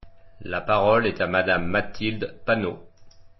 La parole est à Madame Mathilde Panot.